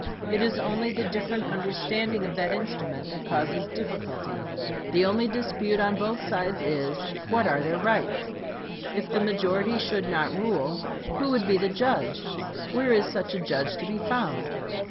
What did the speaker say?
It is only the different under standing of that instrument that causes difficulty. The only dispute on both sides is, "What are their rights?" If the majority should not rule, who would be the judge ? Where is such a judge to be found?